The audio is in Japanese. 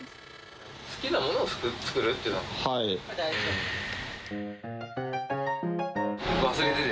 好きなものを作るっていうのもう大丈夫。